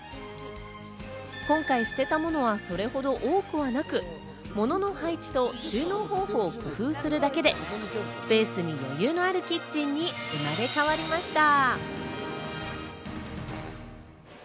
今回捨てたものはそれほど多くはなく、物の配置と収納方法を工夫するだけで、スペースに余裕があるキッチンに生まれ変わりました。